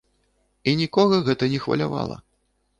І нікога гэта не хвалявала!